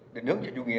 định hướng cho chủ nghĩa